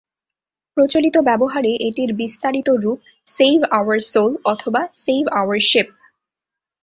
প্রচলিত ব্যবহারে এটির বিস্তারিত রুপ "সেভ আওয়ার সোল" অথবা "সেভ আওয়ার শিপ"।